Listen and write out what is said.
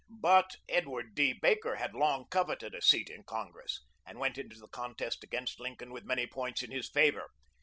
But Edward D. Baker had long coveted a seat in Congress, and went into the contest against Lincoln with many points in his favor.